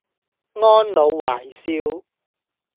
安老懷少